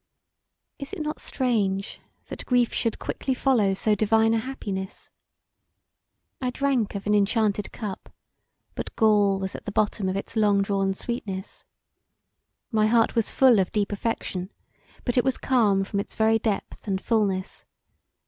Is it not strange that grief should quickly follow so divine a happiness? I drank of an enchanted cup but gall was at the bottom of its long drawn sweetness. My heart was full of deep affection, but it was calm from its very depth and fulness.